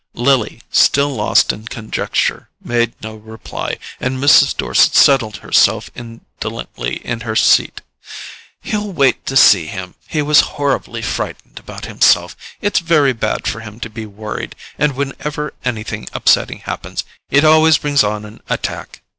Lily, still lost in conjecture, made no reply, and Mrs. Dorset settled herself indolently in her seat. "He'll wait to see him; he was horribly frightened about himself. It's very bad for him to be worried, and whenever anything upsetting happens, it always brings on an attack."